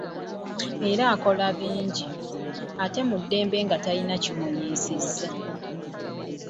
Era akola bingi, ate mu ddembe nga talina kimuziyiza.